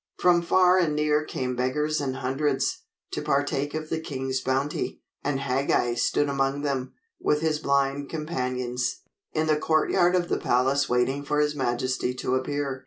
From far and near came beggars in hundreds, to partake of the king's bounty, and Hagag stood among them, with his blind companions, in the courtyard of the palace waiting for his majesty to appear.